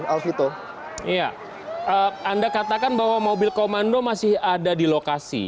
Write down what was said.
iya anda katakan bahwa mobil komando masih ada di lokasi